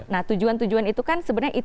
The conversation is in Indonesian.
nah tujuan tujuan itu kan sebenarnya itu